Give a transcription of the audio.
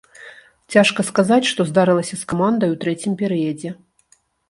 Цяжка сказаць, што здарылася з камандай у трэцім перыядзе.